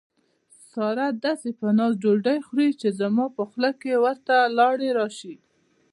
ساره داسې په ناز ډوډۍ خوري، چې زما په خوله کې ورته لاړې راشي.